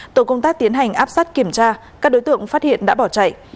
tổ công tác tiến hành áp sát kiểm tra các đối tượng phát hiện đã bỏ chạy